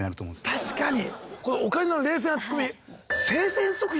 あ確かに。